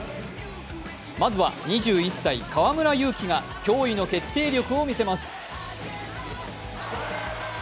まずは２１歳・河村勇輝が驚異の決定力を見せます。